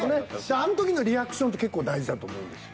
あん時のリアクションって結構大事だと思うんですよ。